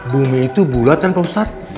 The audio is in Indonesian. bumi itu bulat kan pak ustadz